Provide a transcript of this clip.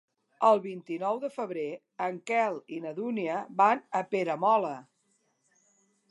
El vint-i-nou de febrer en Quel i na Dúnia van a Peramola.